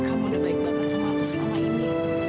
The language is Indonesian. kamu udah baik banget sama aku selama ini